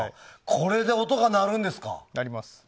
これで音が鳴るんですか。